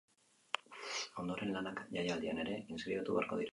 Ondoren, lanak jaialdian ere inskribatu beharko dira.